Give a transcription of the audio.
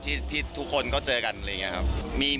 ที่ทุกคนก็เจอกันอะไรอย่างนี้ครับ